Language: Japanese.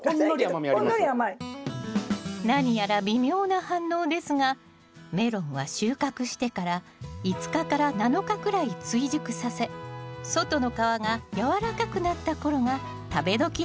何やら微妙な反応ですがメロンは収穫してから５日７日くらい追熟させ外の皮が柔らかくなった頃が食べどきなんですよね